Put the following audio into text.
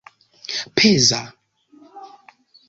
peza